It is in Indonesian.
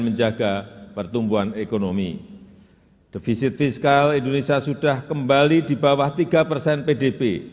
menjaga pertumbuhan ekonomi defisit fiskal indonesia sudah kembali di bawah tiga persen pdp